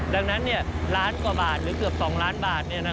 ดังนั้นล้านกว่าบาทหรือเกือบ๒ล้านบาท